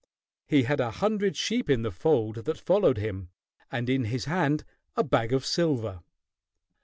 He had a hundred sheep in the fold that followed him, and in his hand a bag of silver.